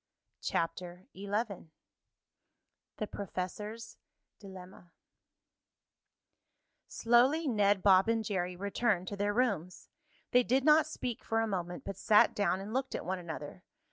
CHAPTER XI THE PROFESSOR'S DILEMMA Slowly Ned, Bob and Jerry returned to their rooms. They did not speak for a moment, but sat down and looked at one another.